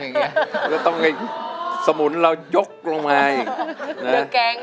แล้วต้องให้สมุนเรายกลงมาอีก